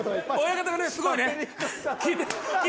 親方がねすごいね。